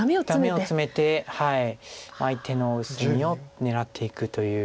ダメをツメて相手の薄みを狙っていくという。